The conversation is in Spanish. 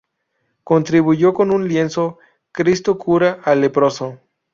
Contribuyó con un lienzo, "Cristo cura al leproso".